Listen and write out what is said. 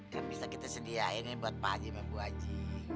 kan bisa kita sediain buat pak haji sama bu haji